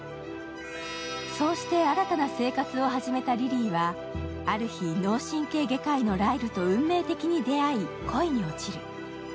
そうして新たな生活を始めたリリーはある日、脳神経外科医のライルと運命的に出会い、恋に落ちる。